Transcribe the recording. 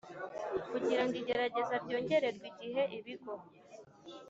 Kugira ngo igerageza ryongererwe igihe ibigo